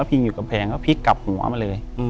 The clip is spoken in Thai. พลิกอยู่กับแฟนก็พลิกกลับหัวมาเลย